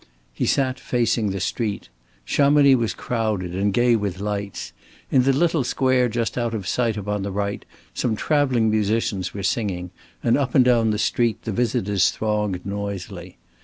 He sat facing the street. Chamonix was crowded and gay with lights. In the little square just out of sight upon the right, some traveling musicians were singing, and up and down the street the visitors thronged noisily.